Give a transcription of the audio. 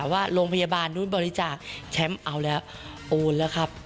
ว่าโรงพยาบาลนู้นบริจาคแชมป์เอาแล้วโอนแล้วครับ